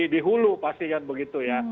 dihulu pastikan begitu ya